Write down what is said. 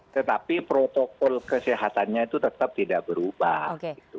tetapi protokol kesehatannya itu tetap tidak berubah